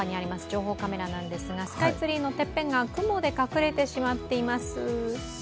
情報カメラですが、スカイツリーのてっぺんが雲で隠れてしまっています。